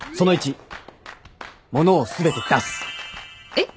えっ？